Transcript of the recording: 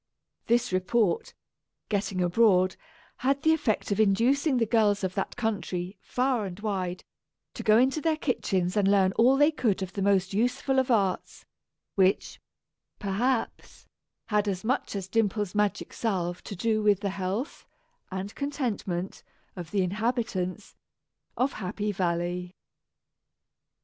This report, getting abroad, had the effect of inducing the girls of that country, far and wide, to go into their kitchens and learn all they could of the most useful of arts; which, perhaps, had as much as Dimple's magic salve to do with the health and contentment of the inhabitants of Happy Valley!